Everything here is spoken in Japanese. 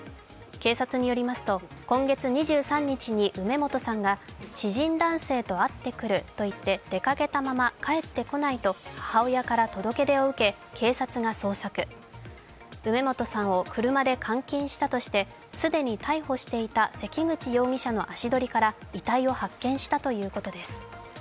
警察によりますと、今月２３日に梅本さんが知人男性と会ってくると言って出かけたまま帰ってこないと母親から届け出を受け警察が捜索、梅本さんを車で監禁したとして既に逮捕していた関口容疑者の足取りから遺体を発見したということです。